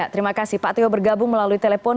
terima kasih pak tio bergabung melalui telepon